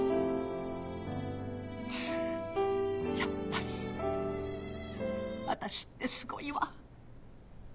やっぱり私ってすごいわ。